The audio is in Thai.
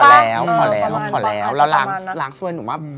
ขอแล้วขอแล้วขอแล้วแล้วหลังสวยหนูมาก